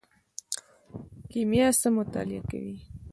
کیمیا څه مطالعه کوي؟